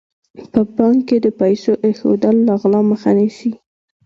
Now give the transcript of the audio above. په بانک کې د پیسو ایښودل له غلا مخه نیسي.